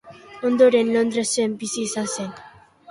Ondoren Londresen bizi izan zen.